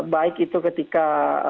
baik itu ketika